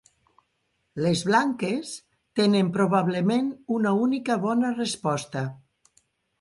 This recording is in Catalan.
Les blanques tenen probablement una única bona resposta.